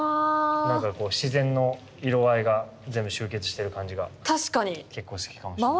なんかこう自然の色合いが全部集結してる感じが結構好きかもしれないです。